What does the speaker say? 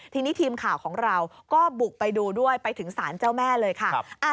ทีนี้ทีมข่าวของเราก็บุกไปดูด้วยไปถึงศาลเจ้าแม่เลยค่ะ